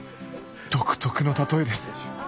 独特の例えです